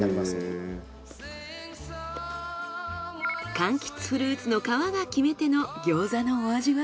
柑橘フルーツの皮が決め手の餃子のお味は？